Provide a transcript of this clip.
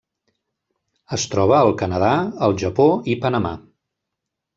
Es troba al Canadà, el Japó i Panamà.